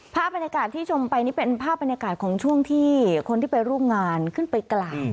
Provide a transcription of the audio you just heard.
ภาพบรรยากาศที่ชมไปนี่เป็นภาพบรรยากาศของช่วงที่คนที่ไปร่วมงานขึ้นไปกราบ